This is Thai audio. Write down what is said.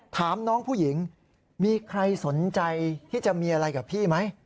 ถามน้องผู้หญิงมีใครสนใจที่จะมีอะไรกับพี่ไหม